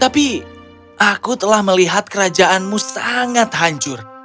tapi aku telah melihat kerajaanmu sangat hancur